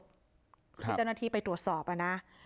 ที่เจ้าหน้าที่ไปตรวจสอบนะ